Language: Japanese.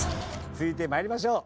続いて参りましょう。